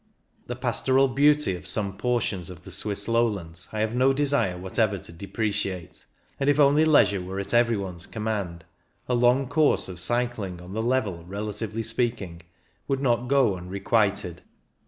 The pastoral beauty of some portions of the Swiss lowlands I have no desire what ever to depreciate, and, if only leisure were at every one's command, a long course of cycling on the level, relatively speaking, would not go unrequited.